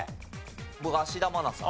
僕芦田愛菜さん。